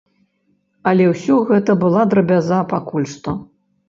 Але ўсё гэта была драбяза пакуль што.